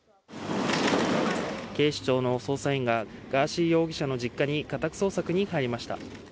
警視庁の捜査員がガーシー容疑者の実家に家宅捜索に入りました。